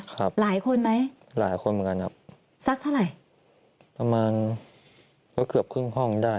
หลายคนไหมหลายคนเหมือนกันครับสักเท่าไหร่ประมาณก็เกือบครึ่งห้องได้